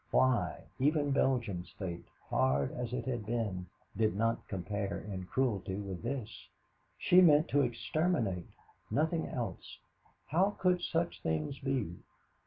Why, even Belgium's fate, hard as it had been, did not compare in cruelty with this. She meant to exterminate nothing else. How could such things be?